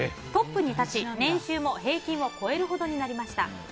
トップに立ち、年収も平均を超えるほどになりました。